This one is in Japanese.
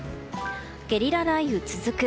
ゲリラ雷雨、続く。